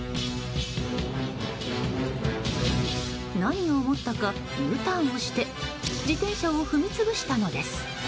何を思ったか、Ｕターンをして自転車を踏み潰したのです。